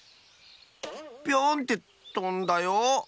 ピョン！ってとんだよ。